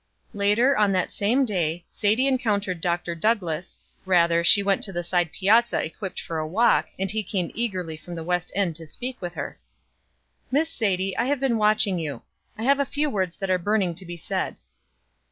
Later, on that same day, Sadie encountered Dr. Douglass, rather, she went to the side piazza equipped for a walk, and he came eagerly from the west end to speak with her. "Miss Sadie, I have been watching for you. I have a few words that are burning to be said."